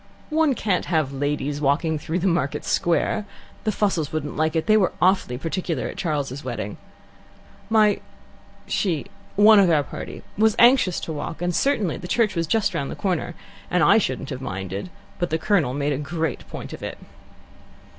"One can't have ladies walking through the Market Square. The Fussells wouldn't like it; they were awfully particular at Charles's wedding. My she one of our party was anxious to walk, and certainly the church was just round the corner, and I shouldn't have minded; but the Colonel made a great point of it."